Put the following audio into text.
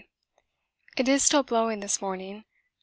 It is still blowing this morning.